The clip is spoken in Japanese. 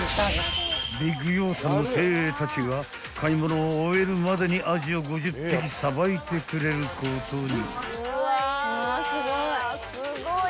［ビッグヨーサンの精鋭たちが買い物を終えるまでにアジを５０匹さばいてくれることに］